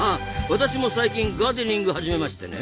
私も最近ガーデニング始めましてね